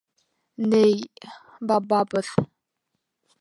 Ней... бабабыҙ...